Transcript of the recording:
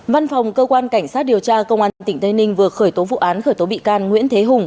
văn phòng cơ quan cảnh sát điều tra công an tỉnh tây ninh vừa khởi tố vụ án khởi tố bị can nguyễn thế hùng